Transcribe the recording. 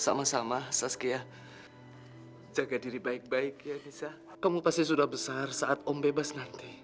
sama sama saskia jaga diri baik baik ya bisa kamu pasti sudah besar saat om bebas nanti